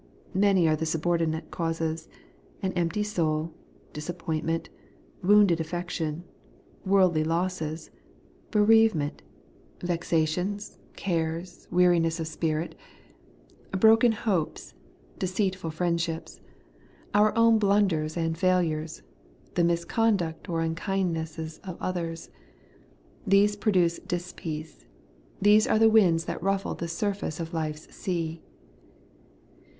Many are the subordinate causes. An empty soul ; disappointment ; wounded affection ; worldly losses ; bereavement ; vexations, cares, weari 168 The Everlasting Rigkteousness, ness of spirit ; broken hopes ; deceitful friendships ; our own blunders and failures ; the misconduct or nn kindnesses of others. These produce dispeace ; these are the winds that ruffle the surface of life's sea.